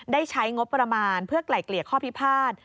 ได้ใช้งบประมาณเพื่อไกล่เกลี่ยข้อพิพาท